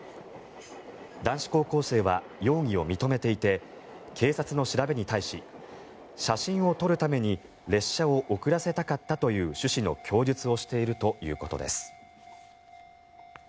男子高校生は容疑を認めていて警察の調べに対し写真を撮るために、列車を遅らせたかったという趣旨の供述をしているということです。